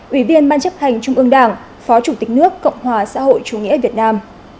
ủy viên ban chấp hành trung ương đảng phó chủ tịch nước cộng hòa xã hội chủ nghĩa việt nam